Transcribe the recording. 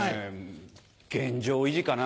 現状維持かな。